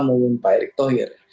maupun pak erick thohir